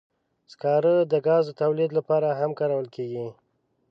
سکاره د ګاز تولید لپاره هم کارول کېږي.